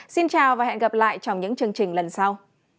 xin chào và hẹn gặp lại trong những chương trình lần sau